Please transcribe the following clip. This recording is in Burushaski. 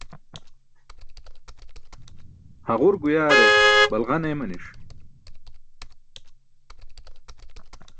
Haġur guyaare balġan eemani̇ṣ.